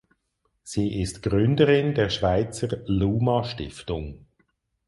Sie ist Gründerin der Schweizer "Luma Stiftung".